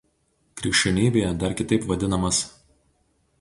Krikščionybėje dar kitaip vad.